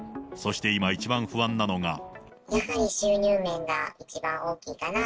そして今、一番不安なのが。